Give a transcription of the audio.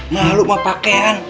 mahluk mah pakean